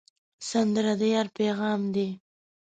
سندره د یار پیغام دی